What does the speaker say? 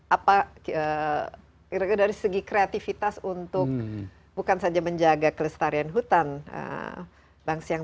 apa dari segi kreatifitas untuk bukan saja menjaga kelestarian hutan bangsiang